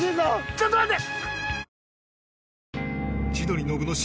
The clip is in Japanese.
ちょっと待って！